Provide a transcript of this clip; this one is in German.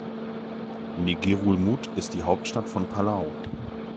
Ngerulmud ist die Hauptstadt von Palau.